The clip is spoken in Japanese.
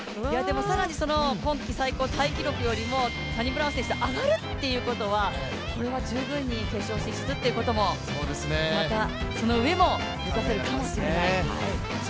更に今季最高タイ記録よりもサニブラウン選手、上がるということは、これは十分に決勝進出ってことも、またその上も目指せるかもしれない。